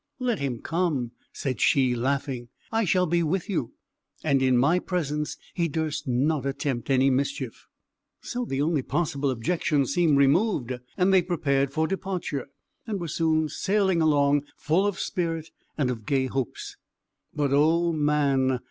"Let him come," said she, laughing; "I shall be with you, and in my presence he durst not attempt any mischief." So the only possible objection seemed removed and they prepared for departure, and were soon sailing along, full of spirit and of gay hopes. But, O Man!